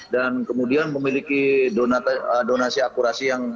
dan kemudian memiliki donasi akurasi yang